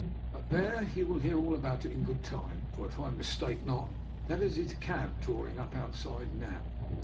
But there, you will hear all about it in good time, for if I mis take not that is his cab drawing up outside now.